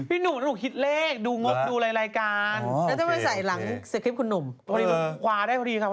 พี่หนุ่มฮะหนูฮิตเลขดูงบดูรายการ